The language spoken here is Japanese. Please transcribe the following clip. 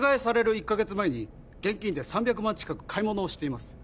１カ月前に現金で３００万近く買い物をしています